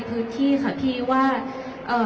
คุณอยู่ในโรงพยาบาลนะ